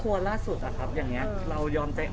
หรือว่าเราโอเคกับคนเราแล้ว